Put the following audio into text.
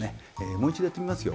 もう一度やってみますよ。